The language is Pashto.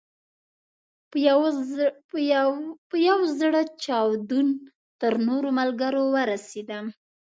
په یو زړه چاودون تر نورو ملګرو ورسېدم.